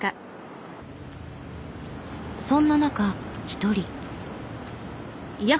そんな中一人。